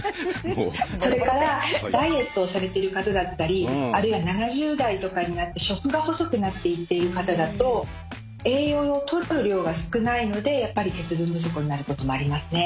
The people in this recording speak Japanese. それからダイエットをされてる方だったりあるいは７０代とかになって食が細くなっていっている方だと栄養をとる量が少ないのでやっぱり鉄分不足になることもありますね。